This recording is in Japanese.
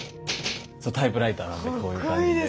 そうタイプライターなんでこういう感じで。